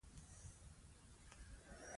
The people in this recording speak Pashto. پوهېدل د خلکو ترمنځ نږدېوالی زیاتوي.